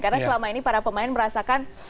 karena selama ini para pemain merasakan